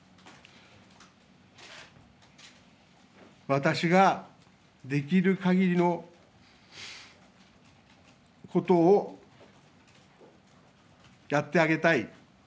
私ができるかぎりのことをやってあげたい。